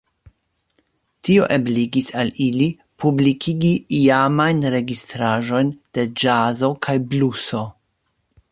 Tio ebligis al ili publikigi iamajn registraĵojn de ĵazo kaj bluso.